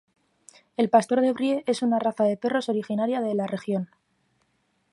El pastor de Brie es una raza de perros originaria de la región.